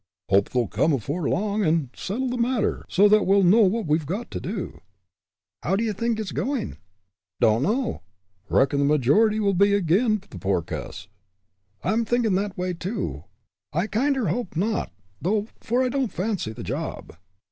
"Hope they'll come afore long and settle the matter, so that we'll know what we've got to do." "How d'ye think it's going?" "Dunno. Reckon the majority'll be ag'in' the poor cuss." "I'm thinkin' that way, too. I kinder hope not, though, for I don't fancy the job."